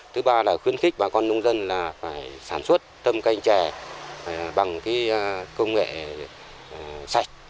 thứ ba là khuyên khích bà con nông dân sản xuất tâm canh trẻ bằng công nghệ sạch